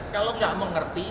kalau tidak mengerti